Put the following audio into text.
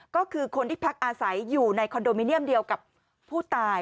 ก็คือคนที่พักอาศัยอยู่ในคอนโดมิเนียมเดียวกับผู้ตาย